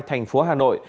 thành phố hà nội